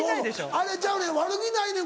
あれちゃうねん悪気ないねん